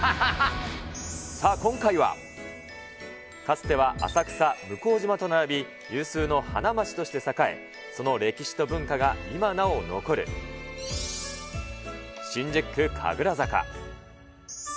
さあ、今回は、かつては浅草、向島と並び、有数の花街として栄え、その歴史と文化が今なお残る、新宿区神楽坂。